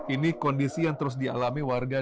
ini kondisi yang terus dialami warga